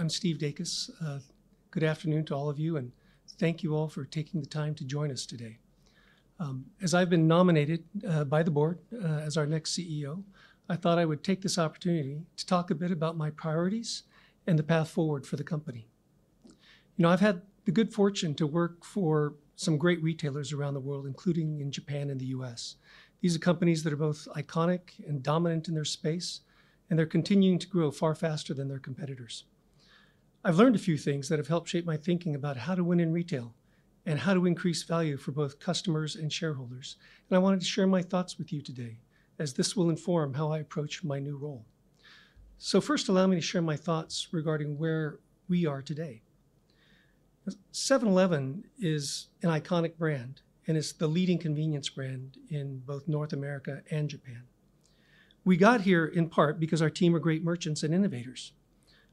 I'm Steve Dacus. Good afternoon to all of you, and thank you all for taking the time to join us today. As I've been nominated by the board as our next CEO, I thought I would take this opportunity to talk a bit about my priorities and the path forward for the company. You know, I've had the good fortune to work for some great retailers around the world, including in Japan and the U.S. These are companies that are both iconic and dominant in their space, and they're continuing to grow far faster than their competitors. I've learned a few things that have helped shape my thinking about how to win in retail and how to increase value for both customers and shareholders. I wanted to share my thoughts with you today, as this will inform how I approach my new role. First, allow me to share my thoughts regarding where we are today. 7-Eleven is an iconic brand, and it's the leading convenience brand in both North America and Japan. We got here in part because our team are great merchants and innovators.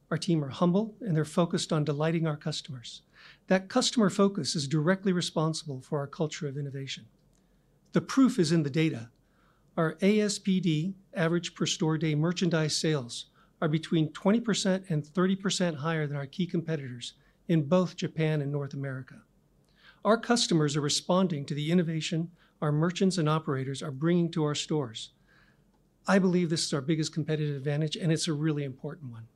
Our team are humble, and they're focused on delighting our customers. That customer focus is directly responsible for our culture of innovation. The proof is in the data. Our APSD, Average Per Store Day merchandise sales, are between 20% and 30% higher than our key competitors in both Japan and North America. Our customers are responding to the innovation our merchants and operators are bringing to our stores. I believe this is our biggest competitive advantage, and it's a really important one.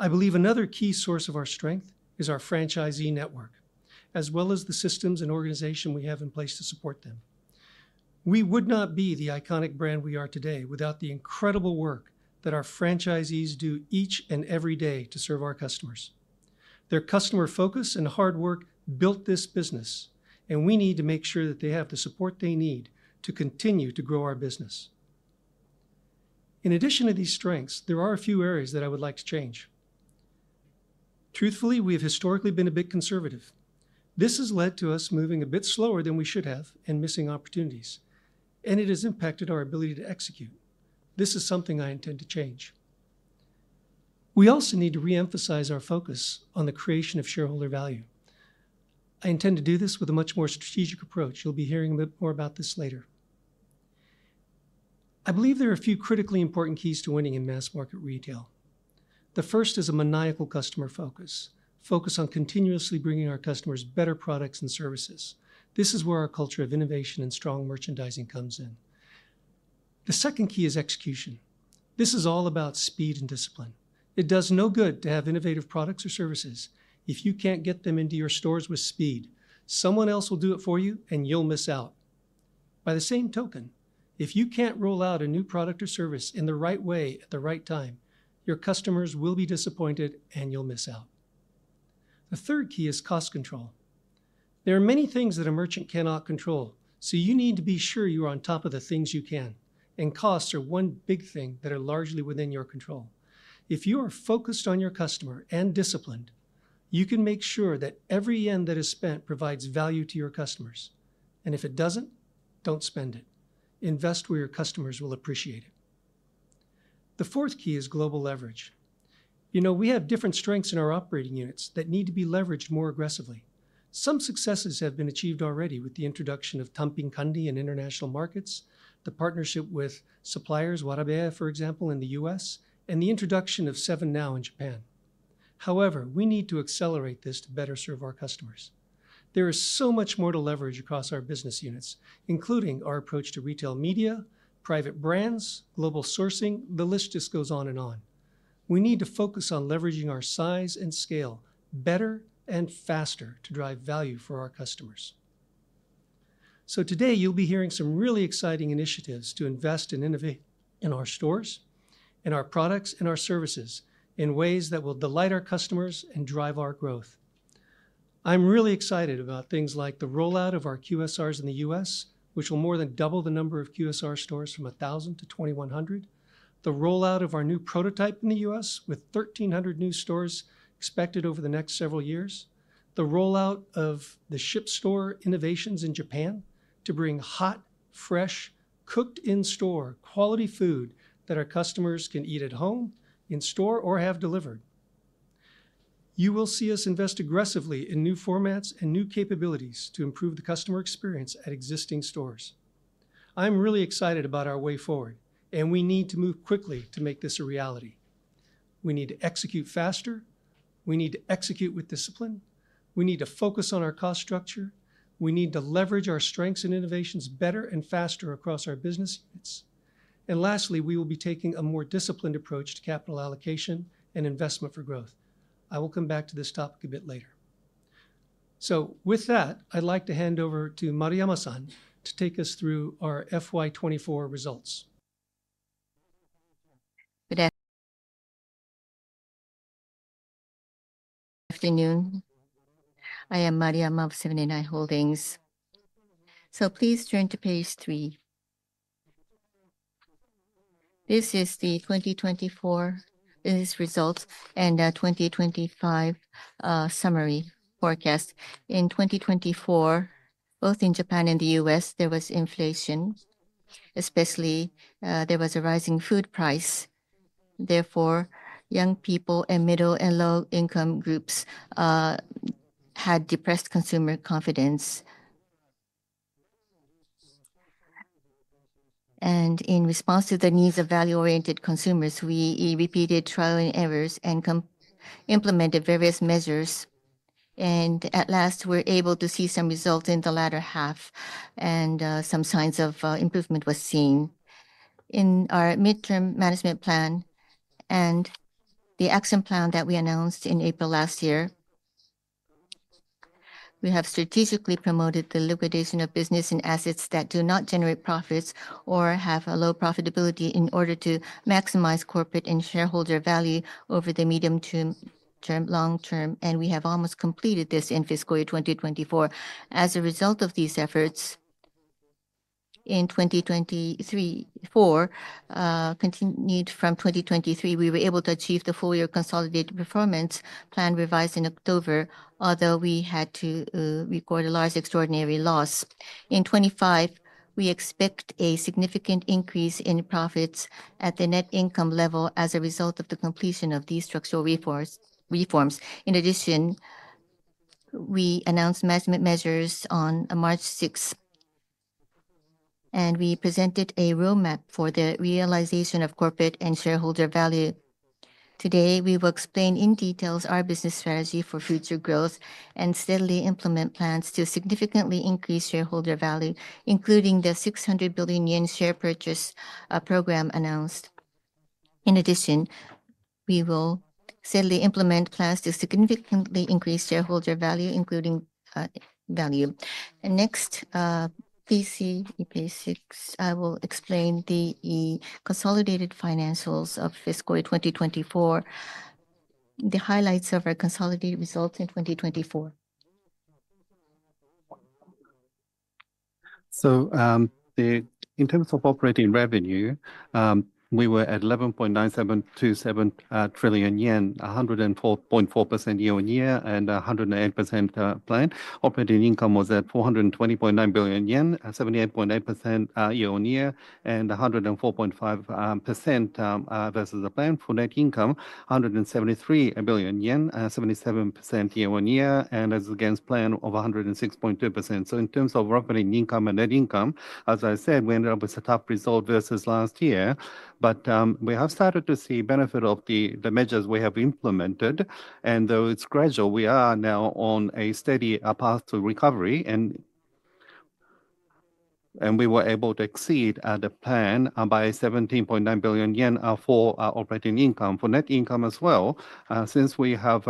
I believe another key source of our strength is our franchisee network, as well as the systems and organization we have in place to support them. We would not be the iconic brand we are today without the incredible work that our franchisees do each and every day to serve our customers. Their customer focus and hard work built this business, and we need to make sure that they have the support they need to continue to grow our business. In addition to these strengths, there are a few areas that I would like to change. Truthfully, we have historically been a bit conservative. This has led to us moving a bit slower than we should have and missing opportunities, and it has impacted our ability to execute. This is something I intend to change. We also need to reemphasize our focus on the creation of shareholder value. I intend to do this with a much more strategic approach. You'll be hearing a bit more about this later. I believe there are a few critically important keys to winning in mass market retail. The first is a maniacal customer focus, focus on continuously bringing our customers better products and services. This is where our culture of innovation and strong merchandising comes in. The second key is execution. This is all about speed and discipline. It does no good to have innovative products or services if you can't get them into your stores with speed. Someone else will do it for you, and you'll miss out. By the same token, if you can't roll out a new product or service in the right way at the right time, your customers will be disappointed, and you'll miss out. The third key is cost control. There are many things that a merchant cannot control, so you need to be sure you are on top of the things you can. Costs are one big thing that are largely within your control. If you are focused on your customer and disciplined, you can make sure that every yen that is spent provides value to your customers. If it does not, do not spend it. Invest where your customers will appreciate it. The fourth key is global leverage. You know, we have different strengths in our operating units that need to be leveraged more aggressively. Some successes have been achieved already with the introduction of Tanpin Kanri in international markets, the partnership with suppliers Warabeya, for example, in the U.S., and the introduction of 7NOW in Japan. However, we need to accelerate this to better serve our customers. There is so much more to leverage across our business units, including our approach to retail media, private brands, global sourcing. The list just goes on and on. We need to focus on leveraging our size and scale better and faster to drive value for our customers. Today, you'll be hearing some really exciting initiatives to invest and innovate in our stores, in our products, and our services in ways that will delight our customers and drive our growth. I'm really excited about things like the rollout of our QSRs in the U.S., which will more than double the number of QSR stores from 1,000 to 2,100, the rollout of our new prototype in the U.S. With 1,300 new stores expected over the next several years, the rollout of the SIP store innovations in Japan to bring hot, fresh, cooked in-store quality food that our customers can eat at home, in-store, or have delivered. You will see us invest aggressively in new formats and new capabilities to improve the customer experience at existing stores. I'm really excited about our way forward, and we need to move quickly to make this a reality. We need to execute faster. We need to execute with discipline. We need to focus on our cost structure. We need to leverage our strengths and innovations better and faster across our business units. Lastly, we will be taking a more disciplined approach to capital allocation and investment for growth. I will come back to this topic a bit later. With that, I'd like to hand over to Maruyama-san to take us through our FY24 results. Good afternoon. I am Maruyama of Seven & i Holdings. Please turn to page three. This is the 2024 results and 2025 summary forecast. In 2024, both in Japan and the U.S., there was inflation, especially there was a rising food price. Therefore, young people and middle and low-income groups had depressed consumer confidence. In response to the needs of value-oriented consumers, we repeated trial and errors and implemented various measures. At last, we were able to see some results in the latter half, and some signs of improvement were seen in our midterm management plan and the action plan that we announced in April last year. We have strategically promoted the liquidation of business and assets that do not generate profits or have a low profitability in order to maximize corporate and shareholder value over the medium to long term. We have almost completed this in fiscal year 2024. As a result of these efforts in 2024, continued from 2023, we were able to achieve the full year consolidated performance plan revised in October, although we had to record a large extraordinary loss. In 2025, we expect a significant increase in profits at the net income level as a result of the completion of these structural reforms. In addition, we announced management measures on March 6, and we presented a roadmap for the realization of corporate and shareholder value. Today, we will explain in detail our business strategy for future growth and steadily implement plans to significantly increase shareholder value, including the 600 billion yen share purchase program announced. In addition, we will steadily implement plans to significantly increase shareholder value, including value. Next, please see page six. I will explain the consolidated financials of fiscal year 2024, the highlights of our consolidated results in 2024. In terms of operating revenue, we were at 11.9727 trillion yen, 104.4% year-on-year and 108% planned. Operating income was at 420.9 billion yen, 78.8% year on year and 104.5% versus the planned. For net income, 173 billion yen, 77% year-on-year, and as against planned of 106.2%. In terms of operating income and net income, as I said, we ended up with a tough result versus last year, but we have started to see benefit of the measures we have implemented. Though it's gradual, we are now on a steady path to recovery, and we were able to exceed the plan by 17.9 billion yen for operating income. For net income as well, since we have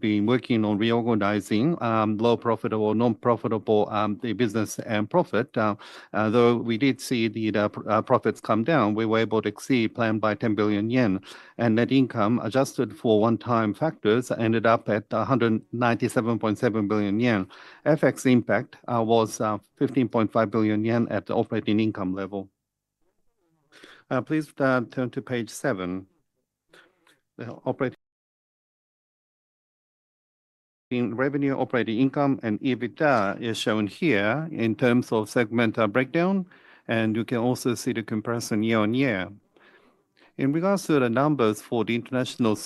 been working on reorganizing low profitable, non-profitable business and profit, though we did see the profits come down, we were able to exceed planned by 10 billion yen. Net income adjusted for one-time factors ended up at 197.7 billion yen. FX impact was 15.5 billion yen at the operating income level. Please turn to page seven. The revenue, operating income, and EBITDA is shown here in terms of segment breakdown, and you can also see the comparison year-on-year. In regards to the numbers for the international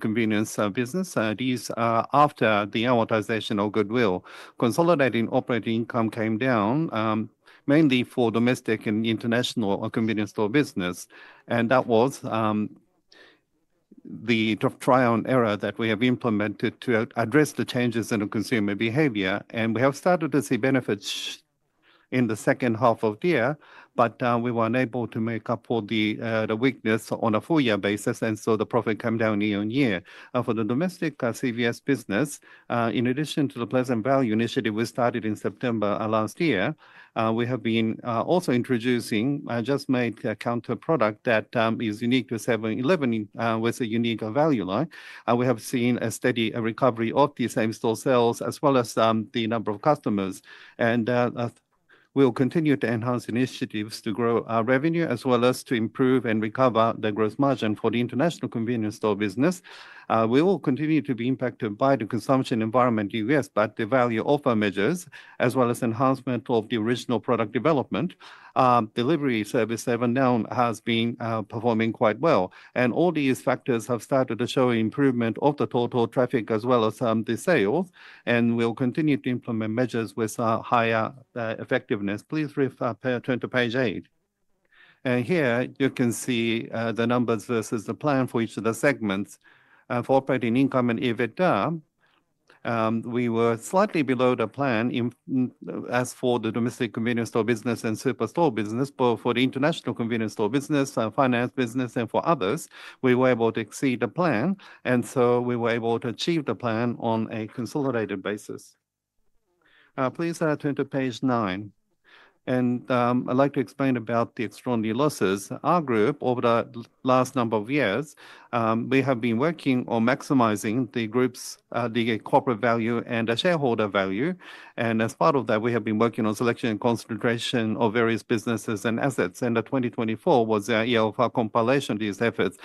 convenience business, these are after the amortization of goodwill. Consolidated operating income came down mainly for domestic and international convenience store business. That was the trial and error that we have implemented to address the changes in the consumer behavior. We have started to see benefits in the second half of the year, but we were unable to make up for the weakness on a full year basis, and so the profit came down year on year. For the domestic CVS business, in addition to the Pleasant Value initiative we started in September last year, we have been also introducing a just-made counterproduct that is unique to Seven & i Holdings with a unique value line. We have seen a steady recovery of the same-store sales as well as the number of customers. We will continue to enhance initiatives to grow revenue as well as to improve and recover the gross margin for the international convenience store business. We will continue to be impacted by the consumption environment in the U.S., but the value of our measures, as well as enhancement of the original product development, delivery service Seven & i Holdings has been performing quite well. All these factors have started to show improvement of the total traffic as well as the sales, and we will continue to implement measures with higher effectiveness. Please turn to page eight. Here you can see the numbers versus the plan for each of the segments. For operating income and EBITDA, we were slightly below the plan as for the domestic convenience store business and superstore business, but for the international convenience store business, finance business, and for others, we were able to exceed the plan. We were able to achieve the plan on a consolidated basis. Please turn to page nine. I'd like to explain about the extraordinary losses. Our group, over the last number of years, we have been working on maximizing the group's corporate value and shareholder value. As part of that, we have been working on selection and concentration of various businesses and assets. 2024 was the year of compilation of these efforts.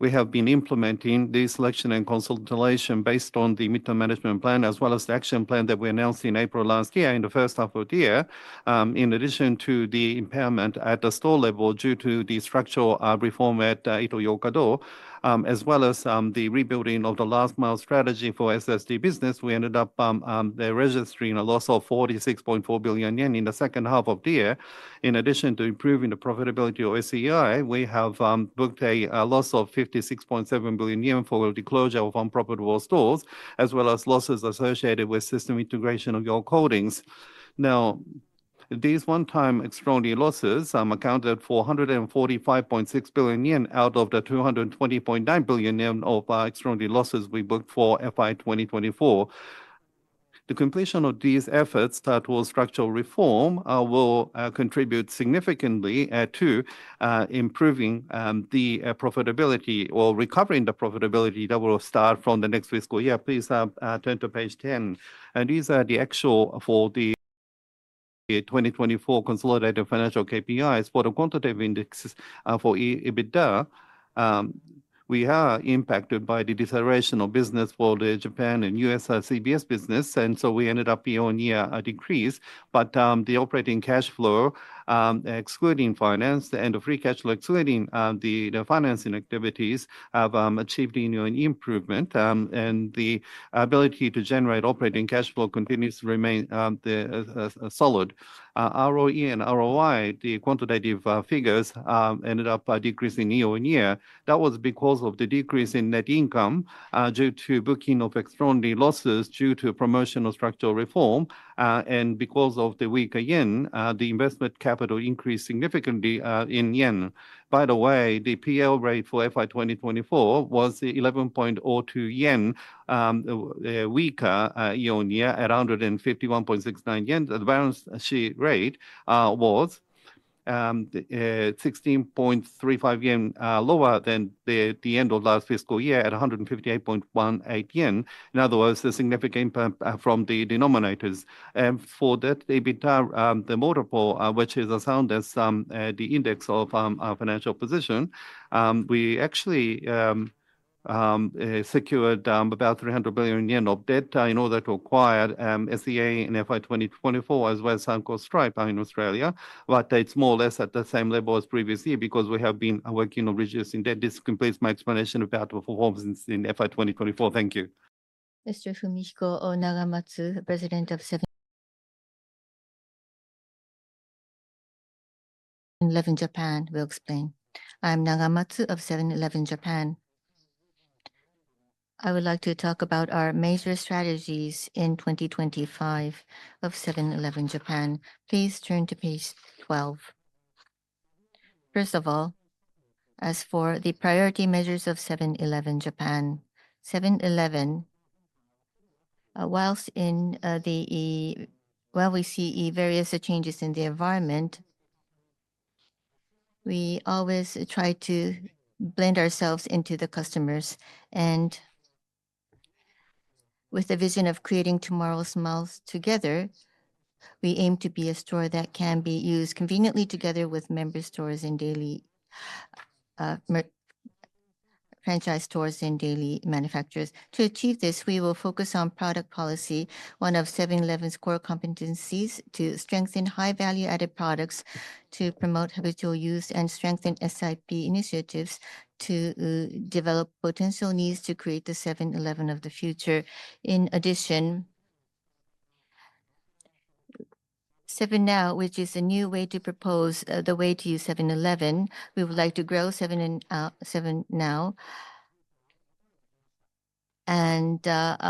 We have been implementing the selection and consolidation based on the midterm management plan as well as the action plan that we announced in April last year in the first half of the year. In addition to the impairment at the store level due to the structural reform at Ito-Yokado, as well as the rebuilding of the last-mile strategy for SST business, we ended up registering a loss of 46.4 billion yen in the second half of the year. In addition to improving the profitability of SEI, we have booked a loss of 56.7 billion yen for the closure of unprofitable stores, as well as losses associated with system integration of your holdings. Now, these one-time extraordinary losses accounted for 145.6 billion yen out of the 220.9 billion yen of extraordinary losses we booked for FY2024. The completion of these efforts towards structural reform will contribute significantly to improving the profitability or recovering the profitability that will start from the next fiscal year. Please turn to page ten. These are the actual for the 2024 consolidated financial KPIs. For the quantitative index for EBITDA, we are impacted by the deceleration of business for the Japan and U.S. CVS business, and so we ended up year on year decrease. The operating cash flow, excluding finance, and the free cash flow, excluding the financing activities, have achieved an improvement, and the ability to generate operating cash flow continues to remain solid. ROE and ROI, the quantitative figures, ended up decreasing year-on-year. That was because of the decrease in net income due to booking of extraordinary losses due to promotion of structural reform, and because of the weaker Yen, the investment capital increased significantly in Yen.By the way, the PL rate for FY2024 was 11.02 yen weaker year-on-year, at 151.69 yen. The balance sheet rate was 16.35 yen lower than the end of last fiscal year at 158.18 yen. In other words, a significant impact from the denominators. For that EBITDA, the multiple, which is assigned as the index of financial position, we actually secured about 300 billion yen of debt in order to acquire SEA in FY2024, as well as Suncoast Sunoco in Australia. It is more or less at the same level as previous year because we have been working on reducing debt. This completes my explanation about the performance in FY2024. Thank you. Mr. Fumihiko Nagamatsu, President of 7-Eleven in Japan, will explain. I'm Nagamatsu of Seven & i Holdings in Japan. I would like to talk about our major strategies in 2025 of Seven & i Holdings in Japan. Please turn to page 12. First of all, as for the priority measures of Seven & i Holdings in Japan, Seven & i Holdings, while we see various changes in the environment, we always try to blend ourselves into the customers. With the vision of creating tomorrow's miles together, we aim to be a store that can be used conveniently together with member stores and daily franchise stores and daily manufacturers. To achieve this, we will focus on product policy, one of Seven & i Holdings' core competencies, to strengthen high-value-added products, to promote habitual use, and strengthen SIP initiatives to develop potential needs to create the Seven & i Holdings of the future. In addition, 7NOW, which is a new way to propose the way to use Seven & i Holdings, we would like to grow 7NOW.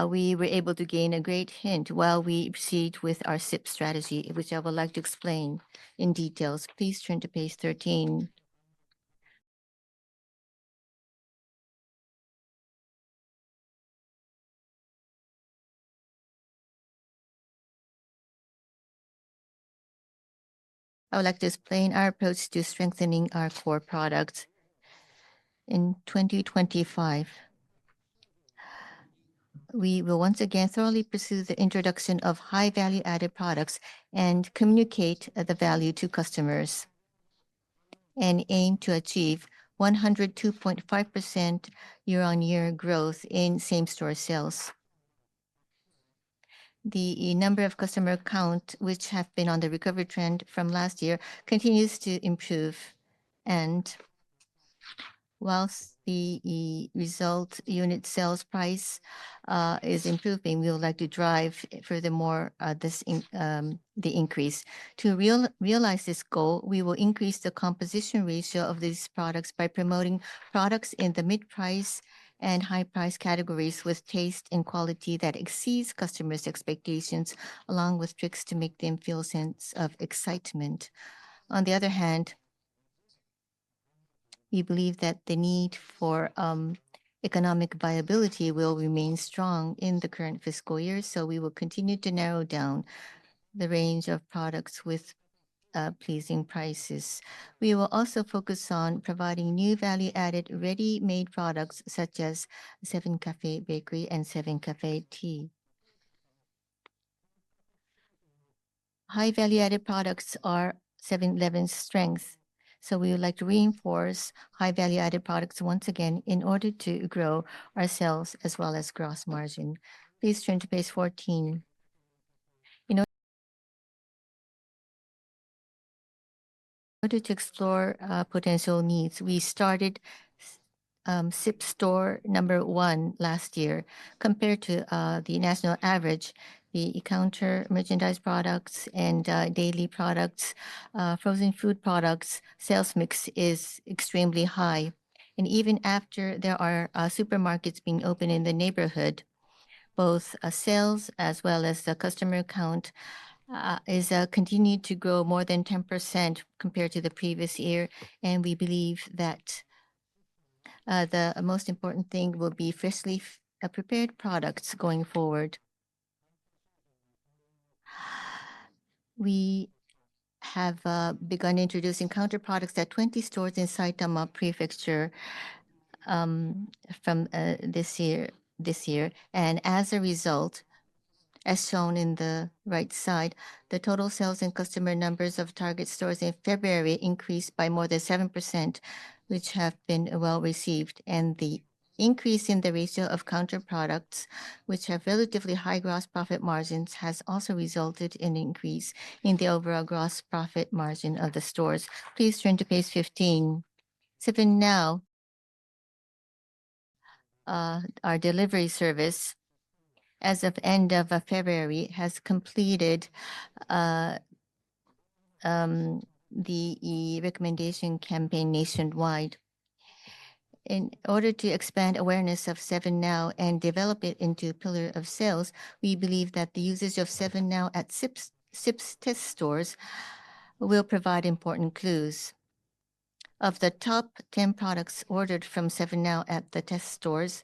We were able to gain a great hint while we proceed with our SIP strategy, which I would like to explain in detail. Please turn to page 13. I would like to explain our approach to strengthening our core products. In 2025, we will once again thoroughly pursue the introduction of high-value-added products and communicate the value to customers, and aim to achieve 102.5% year-on-year growth in same-store sales. The number of customer counts, which have been on the recovery trend from last year, continues to improve. Whilst the result unit sales price is improving, we would like to drive furthermore the increase. To realize this goal, we will increase the composition ratio of these products by promoting products in the mid-price and high-price categories with taste and quality that exceeds customers' expectations, along with tricks to make them feel a sense of excitement. On the other hand, we believe that the need for economic viability will remain strong in the current fiscal year, so we will continue to narrow down the range of products with pleasing prices. We will also focus on providing new value-added ready-made products such as Seven Cafe Bakery and Seven Cafe Tea. High-value-added products are Seven & i Holdings' strength, so we would like to reinforce high-value-added products once again in order to grow our sales as well as gross margin. Please turn to page 14. In order to explore potential needs, we started SIP store number one last year. Compared to the national average, the counter merchandise products and daily products, frozen food products, sales mix is extremely high. Even after there are supermarkets being opened in the neighborhood, both sales as well as the customer count is continuing to grow more than 10% compared to the previous year. We believe that the most important thing will be freshly prepared products going forward. We have begun introducing counter products at 20 stores in Saitama Prefecture from this year. As a result, as shown in the right side, the total sales and customer numbers of target stores in February increased by more than 7%, which have been well received. The increase in the ratio of counter products, which have relatively high gross profit margins, has also resulted in an increase in the overall gross profit margin of the stores. Please turn to page 15. 7NOW, our delivery service, as of end of February, has completed the recommendation campaign nationwide. In order to expand awareness of 7NOW and develop it into a pillar of sales, we believe that the usage of 7NOW at SIP test stores will provide important clues. Of the top 10 products ordered from 7NOW at the test stores,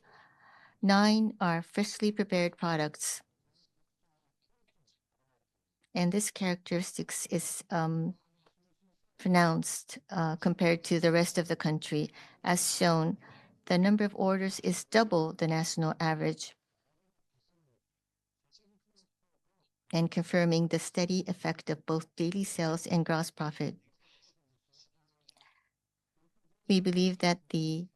nine are freshly prepared products, and this characteristic is pronounced compared to the rest of the country. As shown, the number of orders is double the national average, confirming the steady effect of both daily sales and gross profit. We believe that the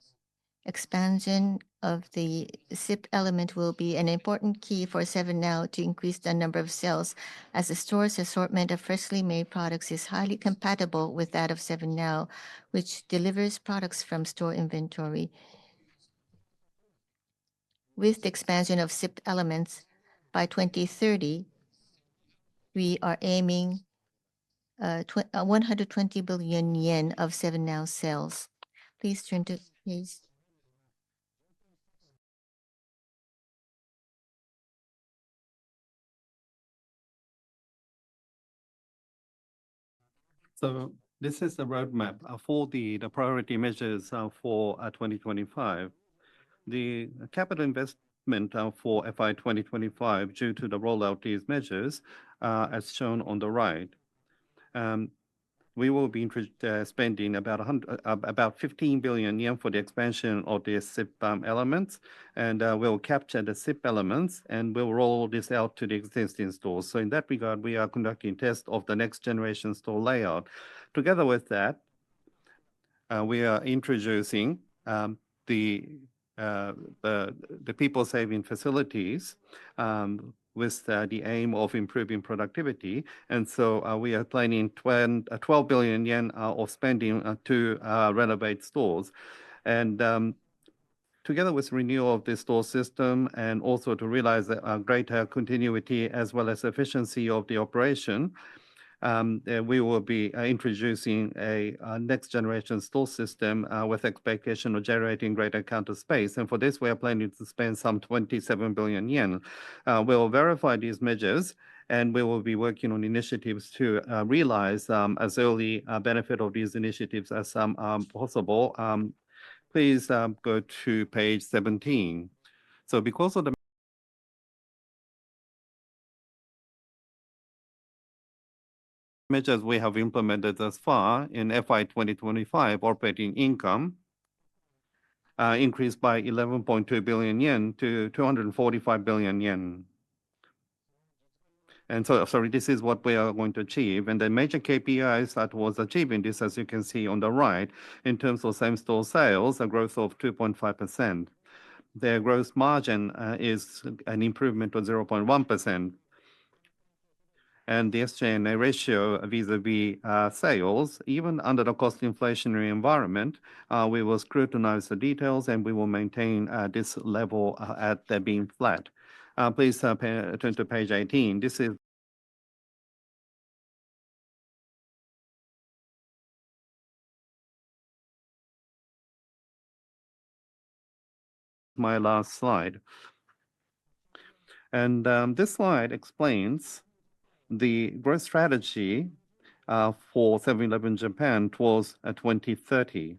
expansion of the SIP element will be an important key for Seven & i Holdings to increase the number of sales as the store's assortment of freshly made products is highly compatible with that of Seven & i Holdings, which delivers products from store inventory. With the expansion of SIP elements by 2030, we are aiming for 120 billion yen of Seven & i Holdings sales. Please turn to page. This is a roadmap for the priority measures for 2025. The capital investment for FY2025 due to the rollout of these measures, as shown on the right, we will be spending about 15 billion yen for the expansion of these SIP elements, and we'll capture the SIP elements and we'll roll this out to the existing stores. In that regard, we are conducting tests of the next generation store layout. Together with that, we are introducing the people-saving facilities with the aim of improving productivity. We are planning 12 billion yen of spending to renovate stores. Together with the renewal of the store system and also to realize a greater continuity as well as efficiency of the operation, we will be introducing a next-generation store system with the expectation of generating greater counter space. For this, we are planning to spend some 27 billion yen. We will verify these measures, and we will be working on initiatives to realize as early benefit of these initiatives as possible. Please go to page 17. Because of the measures we have implemented thus far in FY2025, operating income increased by 11.2 billion yen to 245 billion yen. Sorry, this is what we are going to achieve. The major KPIs that was achieving this, as you can see on the right, in terms of same-store sales, a growth of 2.5%. Their gross margin is an improvement of 0.1%. The SG&A ratio vis-à-vis sales, even under the cost inflationary environment, we will scrutinize the details and we will maintain this level at being flat. Please turn to page 18. This is my last slide. This slide explains the growth strategy for Seven & i Holdings in Japan towards 2030.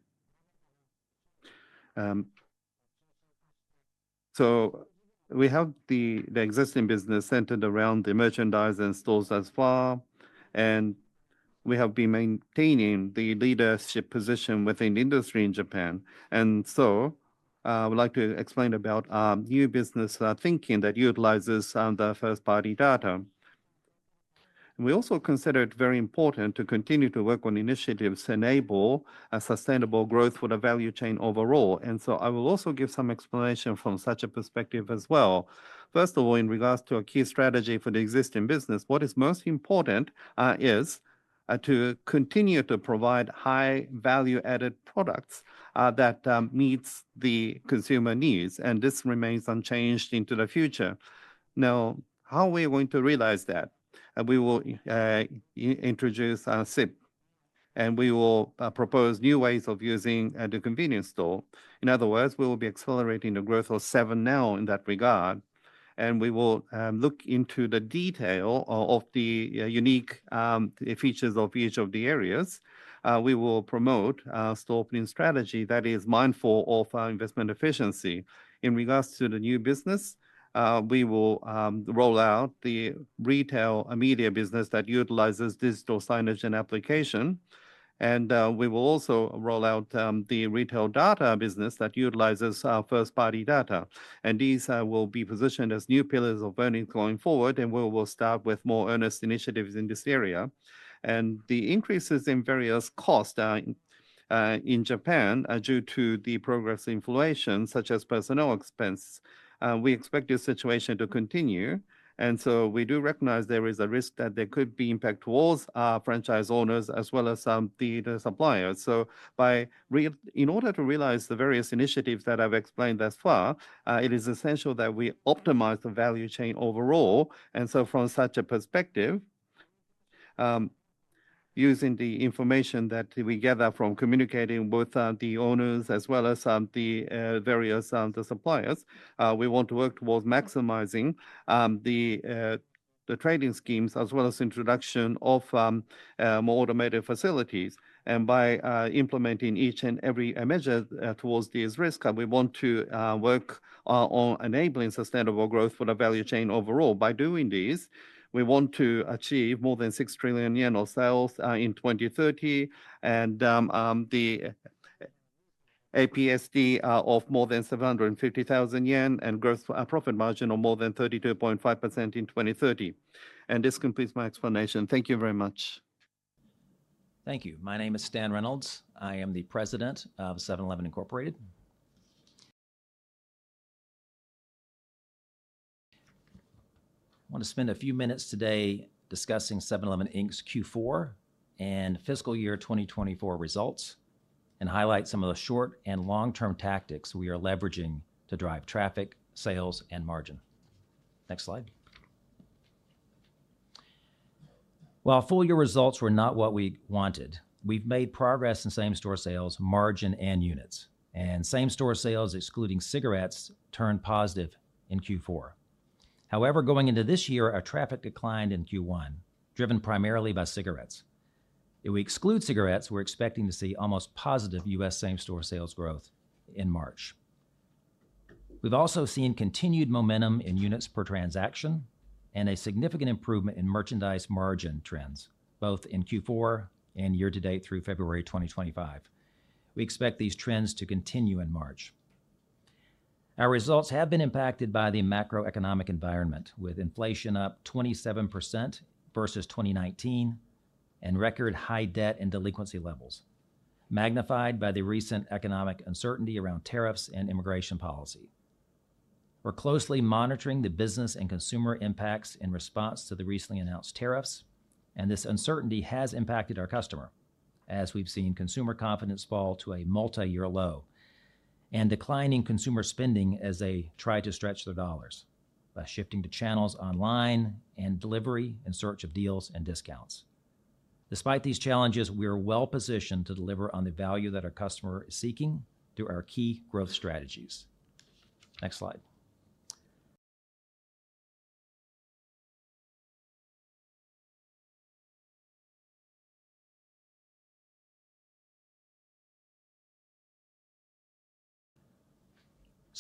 We have the existing business centered around the merchandise and stores as far, and we have been maintaining the leadership position within the industry in Japan. I would like to explain about our new business thinking that utilizes the first-party data. We also consider it very important to continue to work on initiatives to enable sustainable growth for the value chain overall. I will also give some explanation from such a perspective as well. First of all, in regards to a key strategy for the existing business, what is most important is to continue to provide high-value-added products that meet the consumer needs, and this remains unchanged into the future. Now, how are we going to realize that? We will introduce SIP, and we will propose new ways of using the convenience store. In other words, we will be accelerating the growth of Seven & i Holdings in that regard. We will look into the detail of the unique features of each of the areas. We will promote a store opening strategy that is mindful of investment efficiency. In regards to the new business, we will roll out the retail media business that utilizes digital signage and application. We will also roll out the retail data business that utilizes first-party data. These will be positioned as new pillars of earnings going forward, and we will start with more earnest initiatives in this area. The increases in various costs in Japan are due to the progressive inflation, such as personnel expense. We expect this situation to continue. We do recognize there is a risk that there could be impact towards franchise owners as well as the suppliers. In order to realize the various initiatives that I've explained thus far, it is essential that we optimize the value chain overall. From such a perspective, using the information that we gather from communicating with the owners as well as the various suppliers, we want to work towards maximizing the trading schemes as well as the introduction of more automated facilities. By implementing each and every measure towards these risks, we want to work on enabling sustainable growth for the value chain overall. By doing this, we want to achieve more than 6 trillion yen of sales in 2030 and the APSD of more than 750,000 yen and growth profit margin of more than 32.5% in 2030. This completes my explanation. Thank you very much. Thank you. My name is Stan Reynolds. I am the President of 7-Eleven. I want to spend a few minutes today discussing 7-Eleven's Q4 and fiscal year 2024 results and highlight some of the short and long-term tactics we are leveraging to drive traffic, sales, and margin. Next slide. While full year results were not what we wanted, we've made progress in same-store sales, margin, and units. Same-store sales, excluding cigarettes, turned positive in Q4. However, going into this year, our traffic declined in Q1, driven primarily by cigarettes. If we exclude cigarettes, we're expecting to see almost positive U.S. same-store sales growth in March. We've also seen continued momentum in units per transaction and a significant improvement in merchandise margin trends, both in Q4 and year-to-date through February 2025. We expect these trends to continue in March. Our results have been impacted by the macroeconomic environment, with inflation up 27% versus 2019 and record high debt and delinquency levels, magnified by the recent economic uncertainty around tariffs and immigration policy. We're closely monitoring the business and consumer impacts in response to the recently announced tariffs, and this uncertainty has impacted our customer, as we've seen consumer confidence fall to a multi-year low and declining consumer spending as they try to stretch their dollars by shifting to channels online and delivery in search of deals and discounts. Despite these challenges, we are well-positioned to deliver on the value that our customer is seeking through our key growth strategies. Next slide.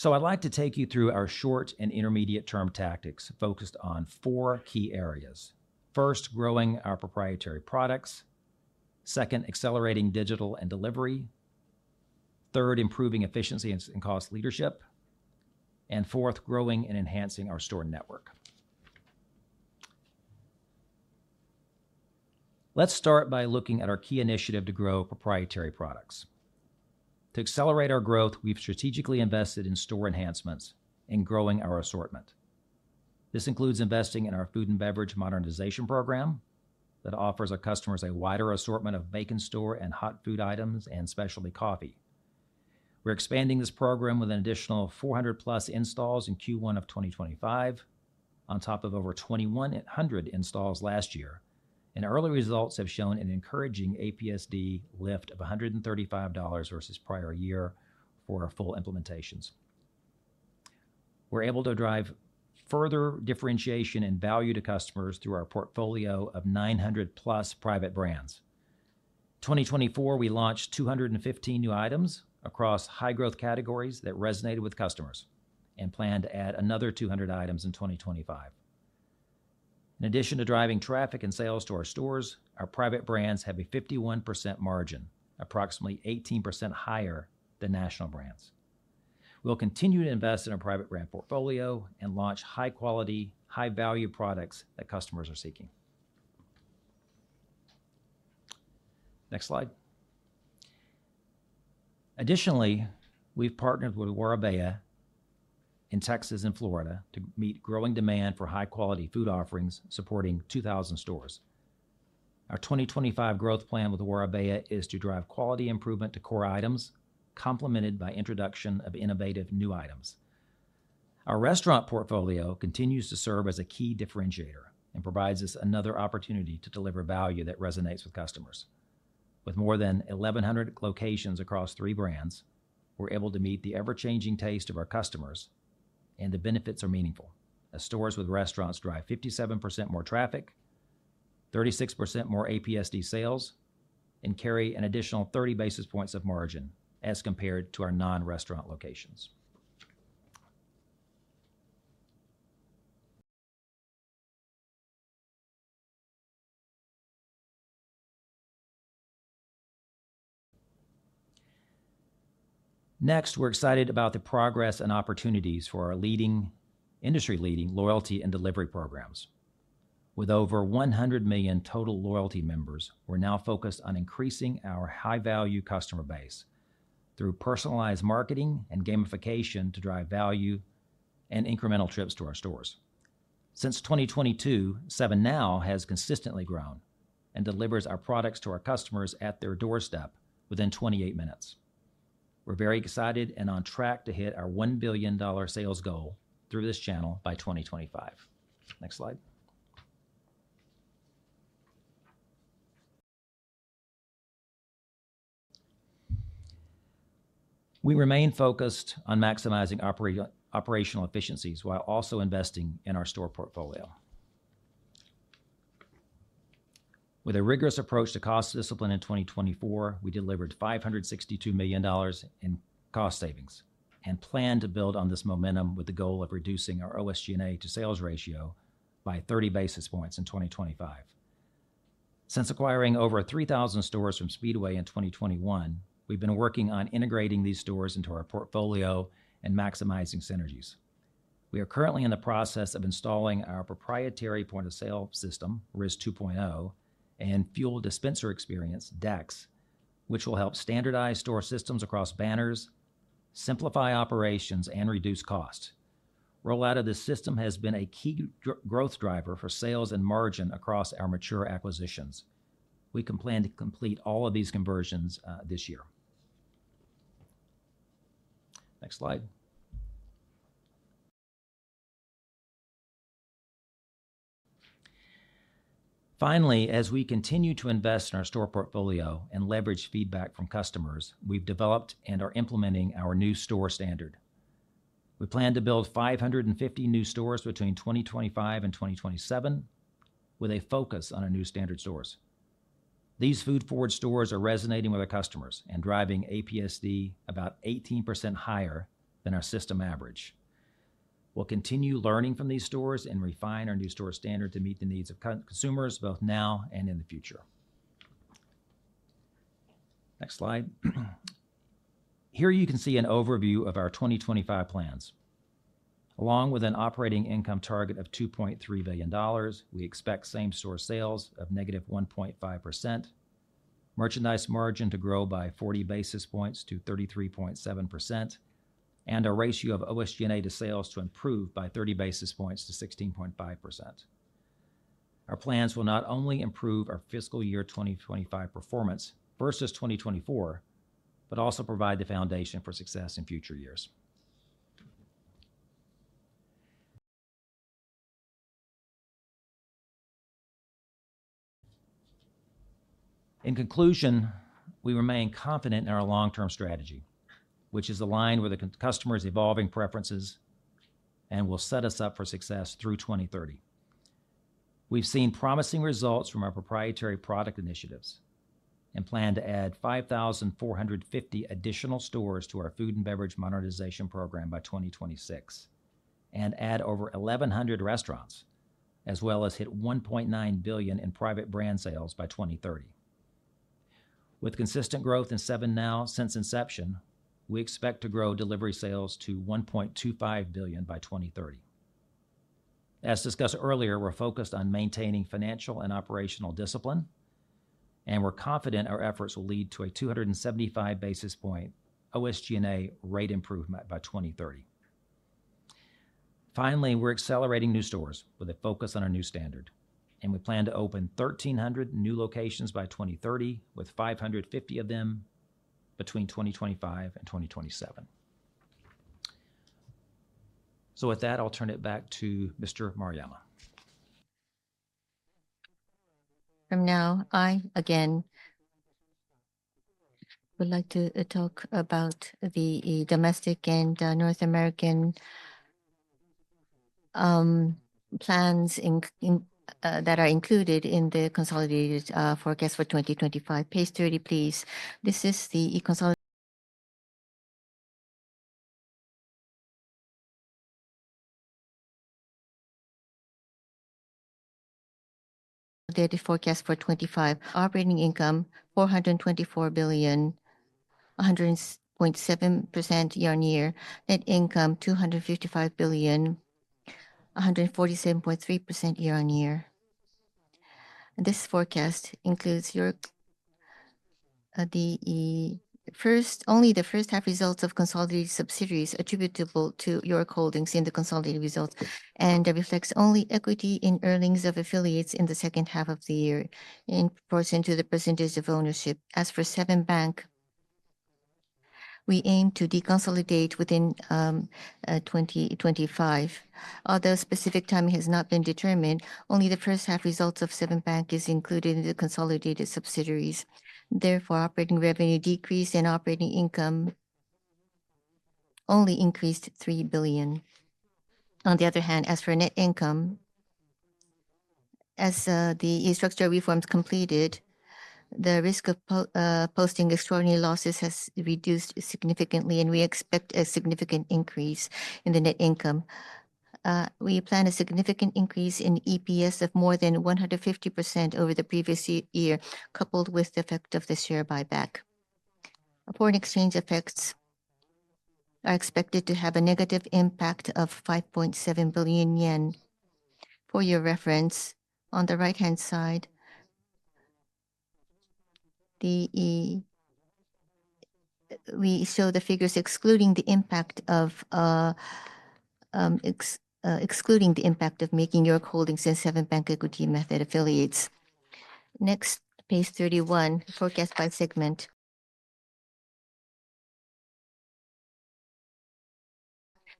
I would like to take you through our short and intermediate-term tactics focused on four key areas. First, growing our proprietary products. Second, accelerating digital and delivery. Third, improving efficiency and cost leadership. Fourth, growing and enhancing our store network. Let's start by looking at our key initiative to grow proprietary products. To accelerate our growth, we've strategically invested in store enhancements and growing our assortment. This includes investing in our food and beverage modernization program that offers our customers a wider assortment of back-of-store and hot food items and specialty coffee. We're expanding this program with an additional 400+ installs in Q1 of 2025, on top of over 2,100 installs last year. Early results have shown an encouraging APSD lift of $135 versus prior year for full implementations. We're able to drive further differentiation and value to customers through our portfolio of 900+ private brands. In 2024, we launched 215 new items across high-growth categories that resonated with customers and plan to add another 200 items in 2025. In addition to driving traffic and sales to our stores, our private brands have a 51% margin, approximately 18% higher than national brands. We'll continue to invest in our private brand portfolio and launch high-quality, high-value products that customers are seeking. Next slide. Additionally, we've partnered with Warabeya in Texas and Florida to meet growing demand for high-quality food offerings supporting 2,000 stores. Our 2025 growth plan with Warabeya is to drive quality improvement to core items, complemented by the introduction of innovative new items. Our restaurant portfolio continues to serve as a key differentiator and provides us another opportunity to deliver value that resonates with customers. With more than 1,100 locations across three brands, we're able to meet the ever-changing taste of our customers, and the benefits are meaningful as stores with restaurants drive 57% more traffic, 36% more APSD sales, and carry an additional 30 basis points of margin as compared to our non-restaurant locations. Next, we're excited about the progress and opportunities for our industry-leading loyalty and delivery programs. With over 100 million total loyalty members, we're now focused on increasing our high-value customer base through personalized marketing and gamification to drive value and incremental trips to our stores. Since 2022, 7NOW has consistently grown and delivers our products to our customers at their doorstep within 28 minutes. We're very excited and on track to hit our $1 billion sales goal through this channel by 2025. Next slide. We remain focused on maximizing operational efficiencies while also investing in our store portfolio. With a rigorous approach to cost discipline in 2024, we delivered $562 million in cost savings and plan to build on this momentum with the goal of reducing our OSG&A to sales ratio by 30 basis points in 2025. Since acquiring over 3,000 stores from Speedway in 2021, we've been working on integrating these stores into our portfolio and maximizing synergies. We are currently in the process of installing our proprietary point-of-sale system, RIS 2.0, and fuel dispenser experience, DEX, which will help standardize store systems across banners, simplify operations, and reduce cost. Roll out of this system has been a key growth driver for sales and margin across our mature acquisitions. We plan to complete all of these conversions this year. Next slide. Finally, as we continue to invest in our store portfolio and leverage feedback from customers, we've developed and are implementing our new store standard. We plan to build 550 new stores between 2025 and 2027 with a focus on our new standard stores. These food-forward stores are resonating with our customers and driving APSD about 18% higher than our system average. We'll continue learning from these stores and refine our new store standard to meet the needs of consumers both now and in the future. Next slide. Here you can see an overview of our 2025 plans. Along with an operating income target of $2.3 billion, we expect same-store sales of negative 1.5%, merchandise margin to grow by 40 basis points to 33.7%, and a ratio of OSG&A to sales to improve by 30 basis points to 16.5%. Our plans will not only improve our fiscal year 2025 performance versus 2024, but also provide the foundation for success in future years. In conclusion, we remain confident in our long-term strategy, which is aligned with the customer's evolving preferences and will set us up for success through 2030. We've seen promising results from our proprietary product initiatives and plan to add 5,450 additional stores to our food and beverage modernization program by 2026 and add over 1,100 restaurants, as well as hit $1.9 billion in private brand sales by 2030. With consistent growth in 7NOW since inception, we expect to grow delivery sales to $1.25 billion by 2030. As discussed earlier, we're focused on maintaining financial and operational discipline, and we're confident our efforts will lead to a 275 basis point OSG&A rate improvement by 2030. Finally, we're accelerating new stores with a focus on our new standard, and we plan to open 1,300 new locations by 2030, with 550 of them between 2025 and 2027. With that, I'll turn it back to Mr. Maruyama. From now, I again would like to talk about the domestic and North American plans that are included in the consolidated forecast for 2025. Page 30, please. This is the forecast for 2025. Operating income: 424 billion, 100.7% year-on-year. Net income: 255 billion, 147.3% year-on-year. This forecast includes only the first half results of consolidated subsidiaries attributable to York Holdings in the consolidated results, and it reflects only equity in earnings of affiliates in the second half of the year in proportion to the percentage of ownership. As for Seven Bank, we aim to deconsolidate within 2025. Although specific timing has not been determined, only the first half results of Seven Bank is included in the consolidated subsidiaries. Therefore, operating revenue decreased and operating income only increased 3 billion. On the other hand, as for net income, as the structural reforms completed, the risk of posting extraordinary losses has reduced significantly, and we expect a significant increase in the net income. We plan a significant increase in EPS of more than 150% over the previous year, coupled with the effect of the share buyback. Foreign exchange effects are expected to have a negative impact of 5.7 billion yen. For your reference, on the right-hand side, we show the figures excluding the impact of making York Holdings and Seven Bank equity method affiliates. Next, page 31, forecast by segment.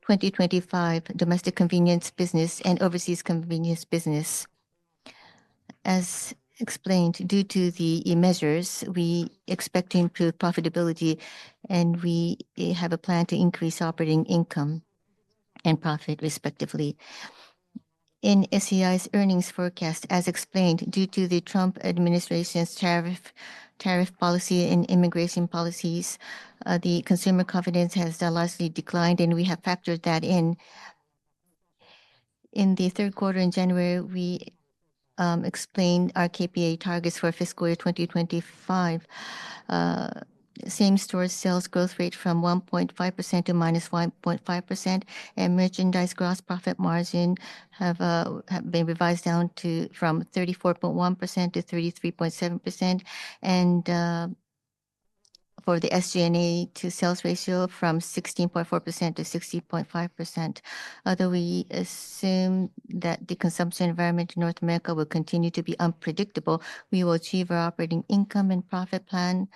2025, domestic convenience business and overseas convenience business. As explained, due to the measures, we expect to improve profitability, and we have a plan to increase operating income and profit, respectively. In SEI's earnings forecast, as explained, due to the Trump administration's tariff policy and immigration policies, the consumer confidence has largely declined, and we have factored that in. In the third quarter in January, we explained our KPI targets for fiscal year 2025. Same-store sales growth rate from 1.5% to -1.5%, and merchandise gross profit margin have been revised down from 34.1% to 33.7%, and for the SG&A to sales ratio from 16.4% to 60.5%. Although we assume that the consumption environment in North America will continue to be unpredictable, we will achieve our operating income and profit plan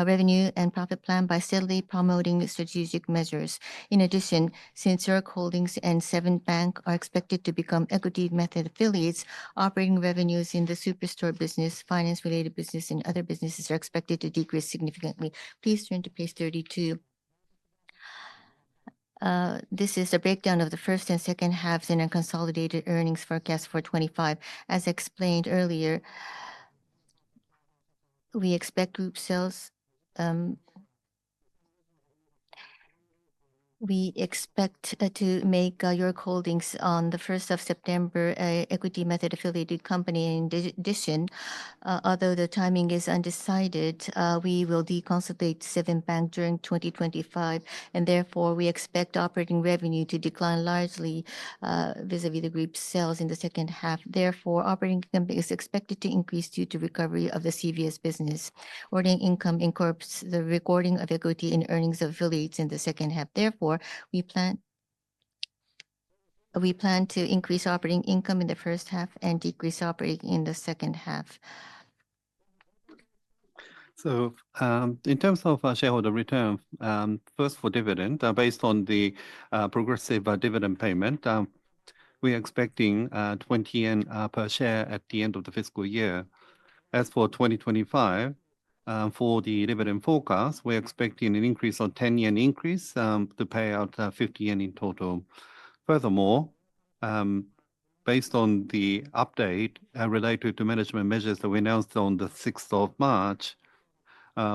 revenue and profit plan by steadily promoting strategic measures. In addition, since York Holdings and Seven Bank are expected to become equity method affiliates, operating revenues in the superstore business, finance-related business, and other businesses are expected to decrease significantly. Please turn to page 32. This is a breakdown of the first and second halves in our consolidated earnings forecast for 2025. As explained earlier, we expect group sales. We expect to make York Holdings on the 1st of September an equity method affiliated company. In addition, although the timing is undecided, we will deconsolidate Seven Bank during 2025, and therefore we expect operating revenue to decline largely vis-à-vis the group sales in the second half. Therefore, operating income is expected to increase due to recovery of the CVS business. Earning income incorporates the recording of equity in earnings of affiliates in the second half. Therefore, we plan to increase operating income in the first half and decrease operating in the second half. In terms of shareholder return, first for dividend, based on the progressive dividend payment, we are expecting 20 yen per share at the end of the fiscal year. As for 2025, for the dividend forecast, we're expecting an increase of 10 yen increase to pay out 50 yen in total. Furthermore, based on the update related to management measures that were announced on the 6th of March,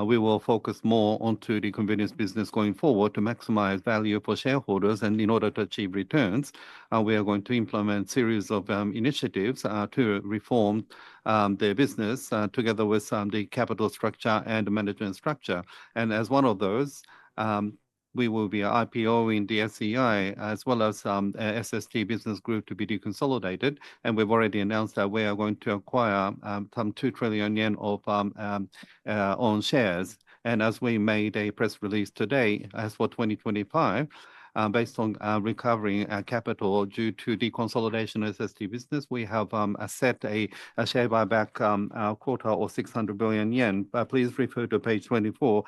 we will focus more onto the convenience business going forward to maximize value for shareholders. In order to achieve returns, we are going to implement a series of initiatives to reform their business together with the capital structure and management structure. As one of those, we will be an IPO in the SEI, as well as an SST business group to be deconsolidated. We've already announced that we are going to acquire some 2 trillion yen of own shares. As we made a press release today, as for 2025, based on recovering capital due to deconsolidation of SST business, we have set a share buyback quota of 600 billion yen. Please refer to page 24.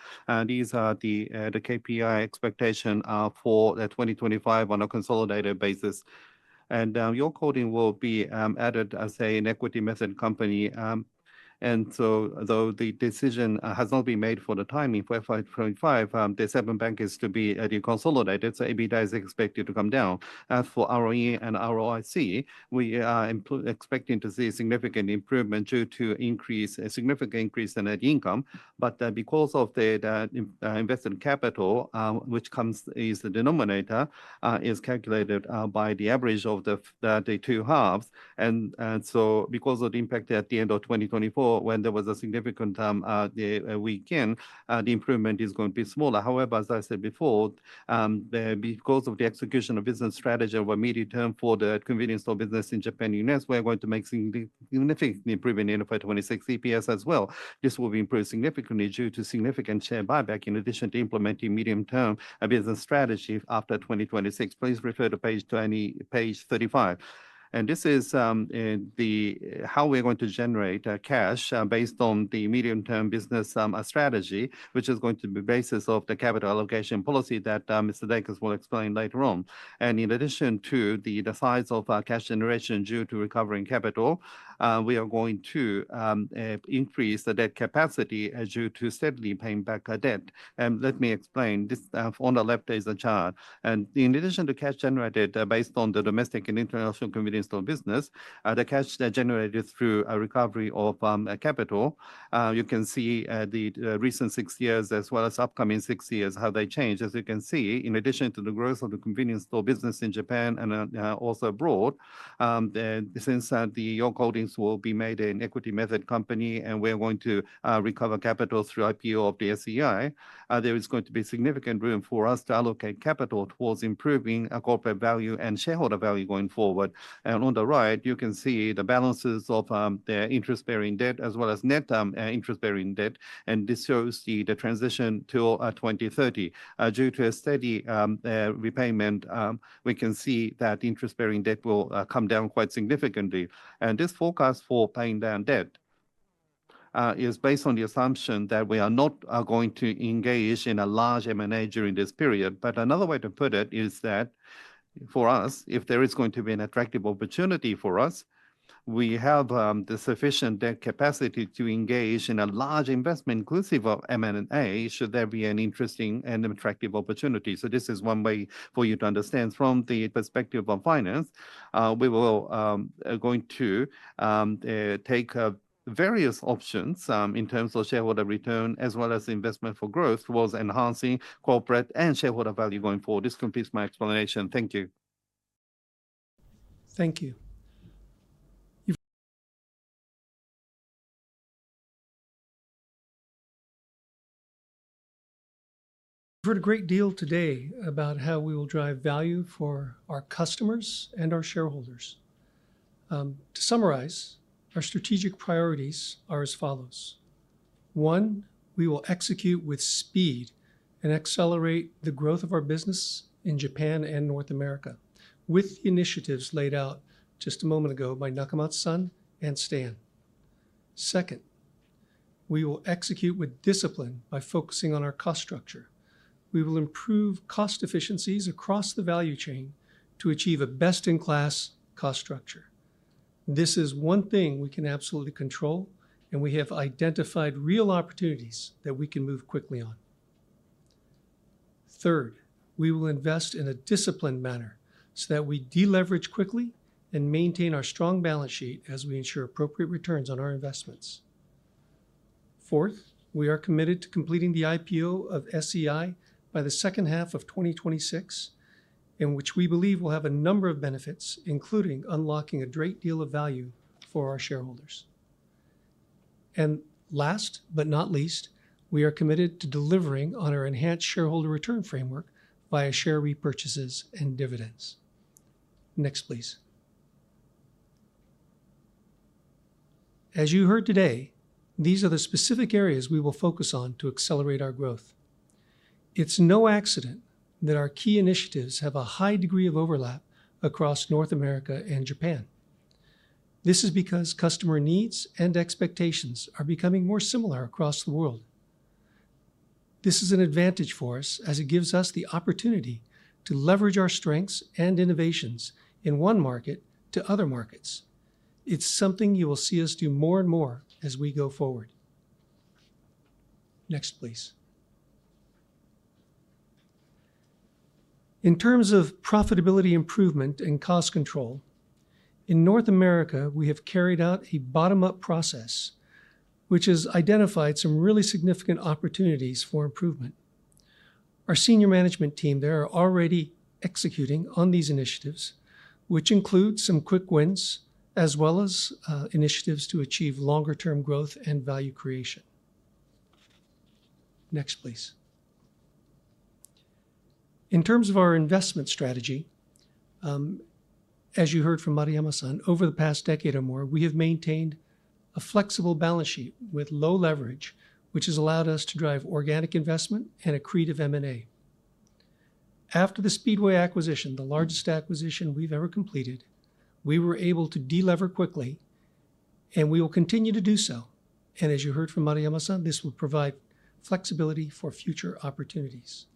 These are the KPI expectations for 2025 on a consolidated basis. York Holdings will be added as an equity method company. Though the decision has not been made for the timing for fiscal year 2025, Seven Bank is to be deconsolidated, so EBITDA is expected to come down. As for ROE and ROIC, we are expecting to see a significant improvement due to a significant increase in net income. Because the invested capital, which is the denominator, is calculated by the average of the two halves. Because of the impact at the end of 2024, when there was a significant weekend, the improvement is going to be smaller. However, as I said before, because of the execution of business strategy of a medium-term for the convenience store business in Japan and the U.S., we're going to make significant improvement in FY2026 EPS as well. This will be improved significantly due to significant share buyback in addition to implementing medium-term business strategy after 2026. Please refer to page 35. This is how we're going to generate cash based on the medium-term business strategy, which is going to be the basis of the capital allocation policy that Mr. Dacus will explain later on. In addition to the size of cash generation due to recovering capital, we are going to increase the debt capacity due to steadily paying bacour debt. Let me explain. On the left is a chart. In addition to cash generated based on the domestic and international convenience store business, the cash that is generated through recovery of capital, you can see the recent six years as well as upcoming six years, how they change. As you can see, in addition to the growth of the convenience store business in Japan and also abroad, since York Holdings will be made an equity method company and we're going to recover capital through IPO of the SEI, there is going to be significant room for us to allocate capital towards improving corporate value and shareholder value going forward. On the right, you can see the balances of interest-bearing debt as well as net interest-bearing debt, and this shows the transition to 2030. Due to a steady repayment, we can see that interest-bearing debt will come down quite significantly. This forecast for paying down debt is based on the assumption that we are not going to engage in a large M&A during this period. Another way to put it is that for us, if there is going to be an attractive opportunity for us, we have the sufficient debt capacity to engage in a large investment inclusive of M&A should there be an interesting and attractive opportunity. This is one way for you to understand from the perspective of finance. We will take various options in terms of shareholder return as well as investment for growth towards enhancing corporate and shareholder value going forward. This completes my explanation. Thank you. Thank you. You've heard a great deal today about how we will drive value for our customers and our shareholders. To summarize, our strategic priorities are as follows. One, we will execute with speed and accelerate the growth of our business in Japan and North America with initiatives laid out just a moment ago by Nagamatsu-san and Stan. Second, we will execute with discipline by focusing on our cost structure. We will improve cost efficiencies across the value chain to achieve a best-in-class cost structure. This is one thing we can absolutely control, and we have identified real opportunities that we can move quickly on. Third, we will invest in a disciplined manner so that we deleverage quickly and maintain our strong balance sheet as we ensure appropriate returns on our investments. Fourth, we are committed to completing the IPO of SEI by the second half of 2026, in which we believe we'll have a number of benefits, including unlocking a great deal of value for our shareholders. Last but not least, we are committed to delivering on our enhanced shareholder return framework via share repurchases and dividends. Next, please. As you heard today, these are the specific areas we will focus on to accelerate our growth. It's no accident that our key initiatives have a high degree of overlap across North America and Japan. This is because customer needs and expectations are becoming more similar across the world. This is an advantage for us as it gives us the opportunity to leverage our strengths and innovations in one market to other markets. It's something you will see us do more and more as we go forward. Next, please. In terms of profitability improvement and cost control, in North America, we have carried out a bottom-up process, which has identified some really significant opportunities for improvement. Our senior management team there are already executing on these initiatives, which include some quick wins as well as initiatives to achieve longer-term growth and value creation. Next, please. In terms of our investment strategy, as you heard from Maruyama-san, over the past decade or more, we have maintained a flexible balance sheet with low leverage, which has allowed us to drive organic investment and accretive M&A. After the Speedway acquisition, the largest acquisition we've ever completed, we were able to deliver quickly, and we will continue to do so. As you heard from Maruyama-san, this will provide flexibility for future opportunities.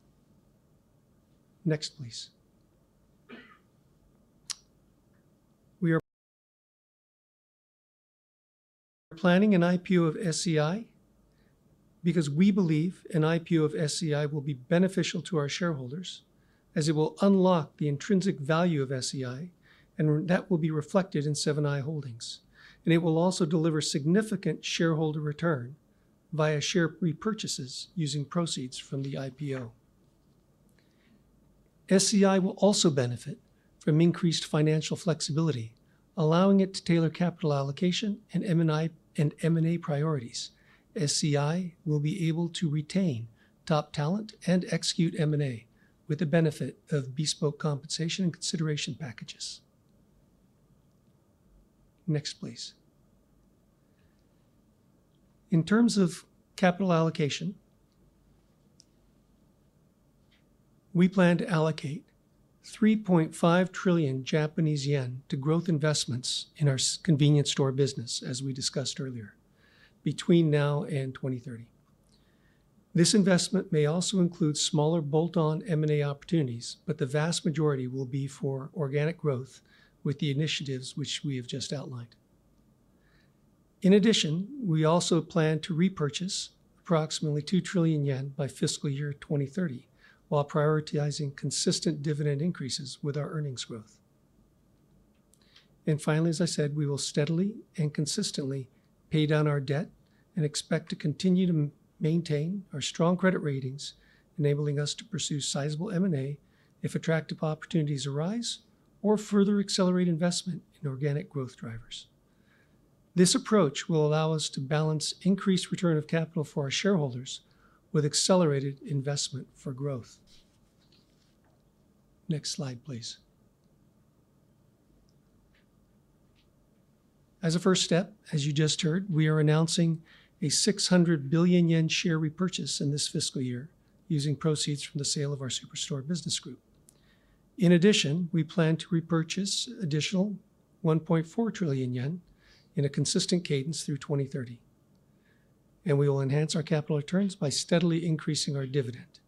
Next, please. We are planning an IPO of SEI because we believe an IPO of SEI will be beneficial to our shareholders as it will unlock the intrinsic value of SEI, and that will be reflected in Seven & i Holdings. It will also deliver significant shareholder return via share repurchases using proceeds from the IPO. SEI will also benefit from increased financial flexibility, allowing it to tailor capital allocation and M&A priorities. SEI will be able to retain top talent and execute M&A with the benefit of bespoke compensation and consideration packages. Next, please. In terms of capital allocation, we plan to allocate 3.5 trillion Japanese yen to growth investments in our convenience store business, as we discussed earlier, between now and 2030. This investment may also include smaller bolt-on M&A opportunities, but the vast majority will be for organic growth with the initiatives which we have just outlined. In addition, we also plan to repurchase approximately 2 trillion yen by fiscal year 2030 while prioritizing consistent dividend increases with our earnings growth. Finally, as I said, we will steadily and consistently pay down our debt and expect to continue to maintain our strong credit ratings, enabling us to pursue sizable M&A if attractive opportunities arise or further accelerate investment in organic growth drivers. This approach will allow us to balance increased return of capital for our shareholders with accelerated investment for growth. Next slide, please. As a first step, as you just heard, we are announcing a 600 billion yen share repurchase in this fiscal year using proceeds from the sale of our superstore business group. In addition, we plan to repurchase an additional 1.4 trillion yen in a consistent cadence through 2030. We will enhance our capital returns by steadily increasing our dividend.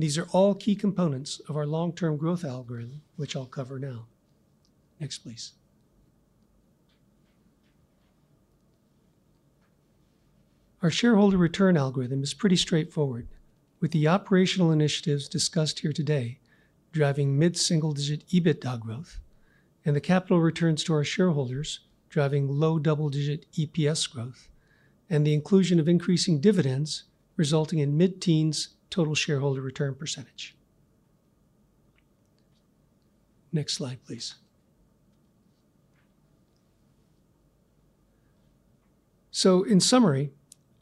These are all key components of our long-term growth algorithm, which I'll cover now. Next, please. Our shareholder return algorithm is pretty straightforward, with the operational initiatives discussed here today driving mid-single-digit EBITDA growth and the capital returns to our shareholders driving low double-digit EPS growth and the inclusion of increasing dividends resulting in mid-teens total shareholder return percentage. Next slide, please. In summary,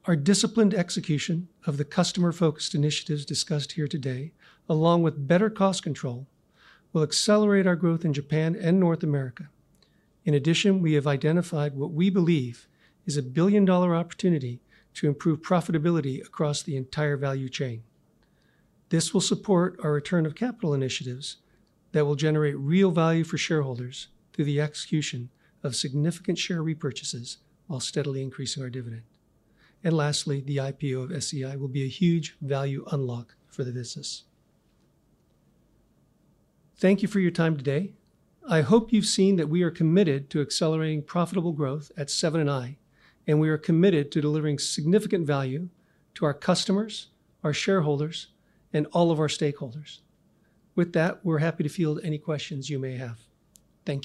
our disciplined execution of the customer-focused initiatives discussed here today, along with better cost control, will accelerate our growth in Japan and North America. In addition, we have identified what we believe is a billion-dollar opportunity to improve profitability across the entire value chain. This will support our return of capital initiatives that will generate real value for shareholders through the execution of significant share repurchases while steadily increasing our dividend. Lastly, the IPO of SEI will be a huge value unlock for the business. Thank you for your time today. I hope you've seen that we are committed to accelerating profitable growth at Seven & i, and we are committed to delivering significant value to our customers, our shareholders, and all of our stakeholders. With that, we're happy to field any questions you may have. Thank you.